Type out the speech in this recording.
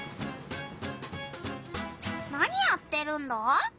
何やってるんだ？